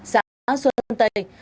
xã xuân tây